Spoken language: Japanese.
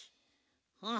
うん。